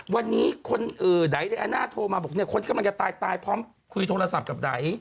วันนี้คนไดอาน่าโทรมาบอกเนี่ยคนที่กำลังจะตายตายพร้อมคุยโทรศัพท์กับได